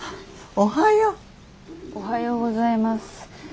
おはようございます。